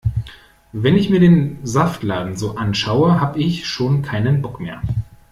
Wenn ich mir den Saftladen so anschaue, hab' ich schon keinen Bock mehr.